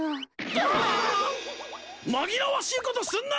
だーっ！紛らわしいことすんな！